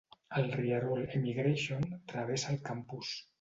El rierol Emigration travessa el campus.